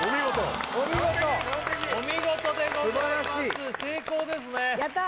お見事お見事でございます成功ですねやった